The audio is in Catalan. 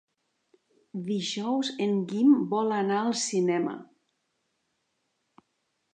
Dijous en Guim vol anar al cinema.